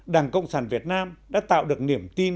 đảng cộng sản việt nam đã tạo được niềm tin